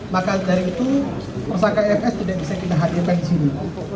maka dari itu tersangka fs tidak bisa kita hadirkan di sini